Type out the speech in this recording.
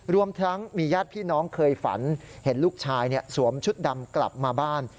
รวมทั้งมีญาติพี่น้องเคยฝันเห็นลูกชายสวมชุดดำกลับมาบ้าน